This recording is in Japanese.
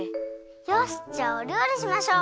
よしじゃあおりょうりしましょう！